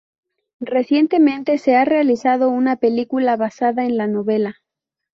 Recientemente se ha realizado una película basada en la novela.